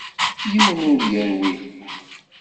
Yiwen ur yerwil.